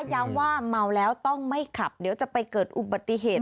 ย้ำว่าเมาแล้วต้องไม่ขับเดี๋ยวจะไปเกิดอุบัติเหตุ